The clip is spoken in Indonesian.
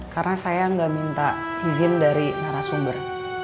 karena saya tidak minta izin dari narasumber